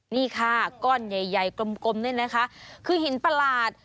นี่ค่ะก้อนใหญ่กลมนี่นะคะคือหินประหลาด